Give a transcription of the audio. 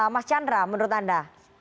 mas chandra menurut anda